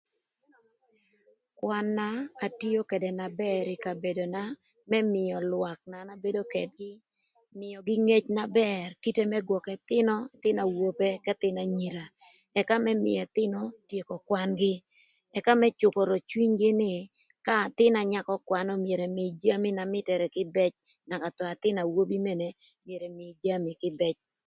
Kwan-na atio këdë na bër ï kabedona më mïö lwak na an abedo ködgï mïögï ngec na bër kite më gwökö ëthïnö, ëthïnö awope k'ëthïn anyira ëka më mïö ëthïnö tyeko kwan-gï ëka më cükorö cwinygï nï ka athïn anyako ka kwanö myero ëmïï jami na mïtërë më kwam ëka athïn awobi mene myero ëmïï jami kïbëc